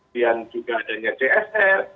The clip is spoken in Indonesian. dan juga adanya csr